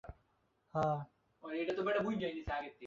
কারো-কারো ক্ষেত্রে সুপ্ত অংশ কিছুটা জেগে ওঠে।